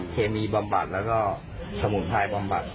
เคมีบำบัดแล้วก็สมุนไพรบำบัด